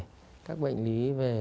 hay là các bệnh lý về khớp vai này